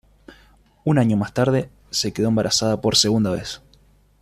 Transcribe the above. Un año más tarde se quedó embarazada por segunda vez.